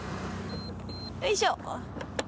よいしょ。